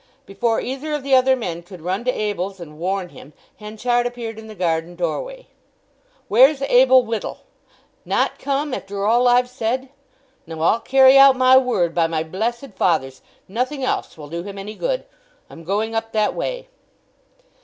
Before either of the other men could run to Abel's and warn him Henchard appeared in the garden doorway. "Where's Abel Whittle? Not come after all I've said? Now I'll carry out my word, by my blessed fathers—nothing else will do him any good! I'm going up that way."